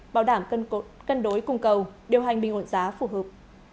bảo đảm cân đối cung cầu điều hành bình ổn giá phù hợp